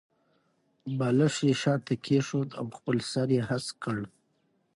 بالښت یې شاته کېښود او خپل سر یې هسک کړ.